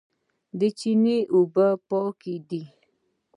د چینو اوبه پاکې دي